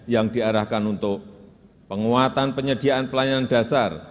yang diarahkan untuk penguatan penyediaan pelayanan dasar